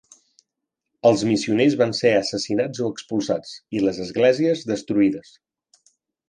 Els missioners van ser assassinats o expulsats, i les esglésies, destruïdes.